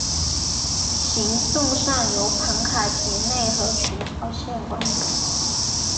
行政上由庞卡杰内和群岛县管理。